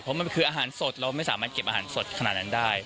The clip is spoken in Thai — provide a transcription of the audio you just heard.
เพราะมันคืออาหารสดเราไม่สามารถเก็บอาหารสดขนาดนั้นได้